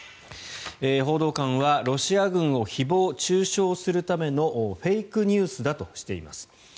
報道官はロシア軍を誹謗・中傷するためのフェイクニュースだとしています。